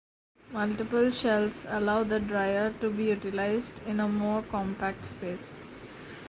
Multiple shells allow the dryer to be utilized in a more compact space.